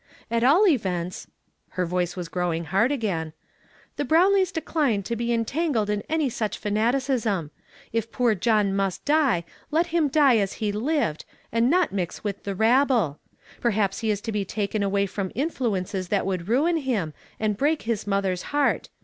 At all events" — her voice was growing hard again —" the Brownlees decline to be en tangled in any such fanaticism. If poor John must die, let him die as he has lived, and not mix with the rabble. Perhaps he is to be taken away from influences that would ruin him, and break his mother's heart.